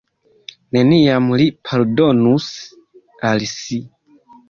Neniam li pardonus al si.